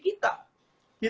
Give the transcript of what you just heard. itu berbeda dengan negara kita